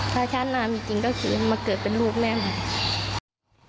พระชาตินามจริงก็คือมาเกิดเป็นลูกแม่มาก